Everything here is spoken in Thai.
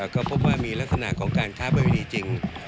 ก็พบว่ามีลักษณะของการค้าประเวณีจริง